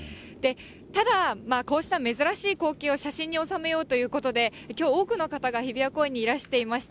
ただ、こうした珍しい光景を写真に収めようということで、きょう、多くの方が日比谷公園にいらしていました。